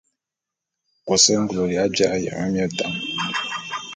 Ô se ngul ya ji'a yeme mie tan.